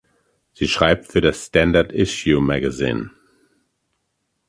Sie schreibt für das Standard Issue Magazine.